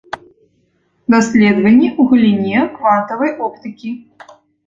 Даследаванні ў галіне квантавай оптыкі.